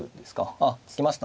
あ突きましたね。